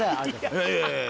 いやいやいや。